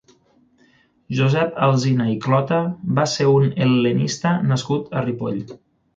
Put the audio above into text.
Josep Alsina i Clota va ser un hel·lenista nascut a Ripoll.